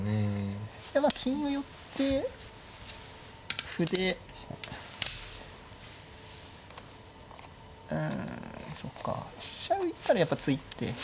まあ金を寄って歩でうんそっか飛車浮いたらやっぱ突いて。